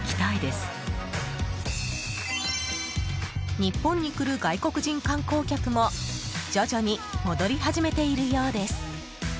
日本に来る外国人観光客も徐々に戻り始めているようです。